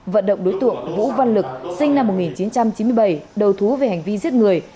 vận động đối tượng vũ văn lực sinh năm một nghìn chín trăm chín mươi bảy đầu thú về hành vi giết người